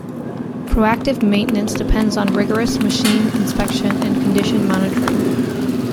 Proactive maintenance depends on rigorous machine inspection and condition monitoring.